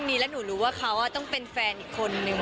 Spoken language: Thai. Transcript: ใครโสดไม่โสดคะสามคนนี้